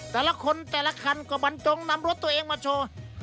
แต่ละคนแต่ละคันก็บรรจงนำรถตัวเองมาโชว์